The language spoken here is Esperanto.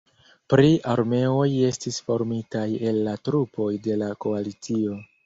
Tri armeoj estis formitaj el la trupoj de la koalicio.